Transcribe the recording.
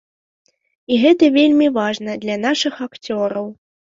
І гэта вельмі важна для нашых акцёраў.